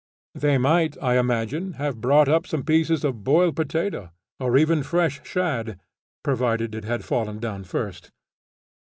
They might, I imagine, have brought up some pieces of boiled potato or even of fresh shad, provided it had fallen down first.